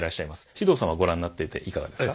獅童さんはご覧になってていかがですか？